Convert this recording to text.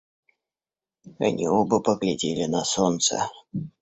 Они оба поглядели на солнце.